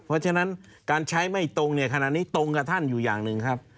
เพราะฉะนั้นการใช้ไม่ตรงเนี่ยขณะนี้ตรงกับท่านอยู่อย่างหนึ่งครับ